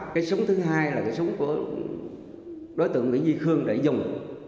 cái súng thứ hai là cái súng của đối tượng nguyễn duy khương để dùng